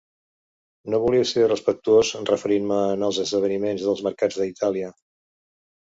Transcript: No volia ser irrespectuós referint-me en els esdeveniments dels mercats a Itàlia.